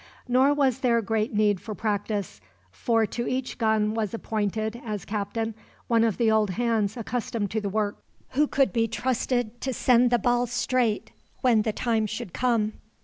Nor was there great need for practice, for to each gun was appointed, as captain, one of the old hands accustomed to the work, who could be trusted to send the ball straight when the time should come.